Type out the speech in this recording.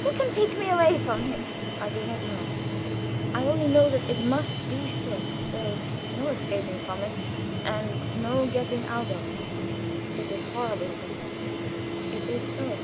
Who can take me away from him?" "I do not know. I only know that it must be so. There is no escaping from it, and no getting out of it. It is horrible, but it is so.